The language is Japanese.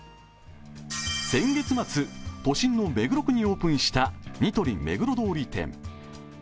先月末、都心の目黒区にオープンしたニトリ目黒通り店。